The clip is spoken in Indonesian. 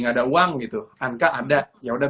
gak ada uang gitu anca ada yaudah